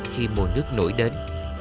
khi mùa nước nổi đến